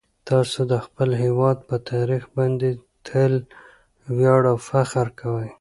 تاسو د خپل هیواد په تاریخ باندې تل ویاړ او فخر کوئ.